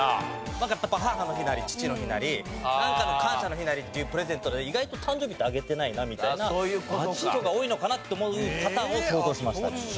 なんかやっぱ母の日なり父の日なりなんかの感謝の日なりっていうプレゼントで意外と誕生日ってあげてないなみたいな人が多いのかな？と思うパターンを想像しました。